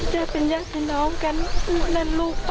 จะเป็นยักษ์น้องกันมันรู้ป่ะ